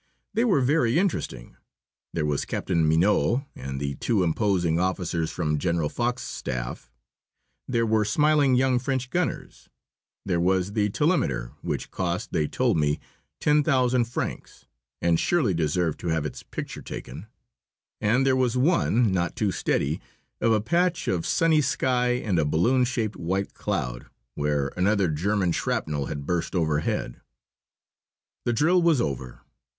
They were very interesting. There was Captain Mignot, and the two imposing officers from General Foch's staff; there were smiling young French gunners; there was the telemeter, which cost, they told me, ten thousand francs, and surely deserved to have its picture taken, and there was one, not too steady, of a patch of sunny sky and a balloon shaped white cloud, where another German shrapnel had burst overhead. The drill was over.